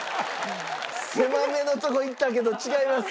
狭めのとこいったけど違います。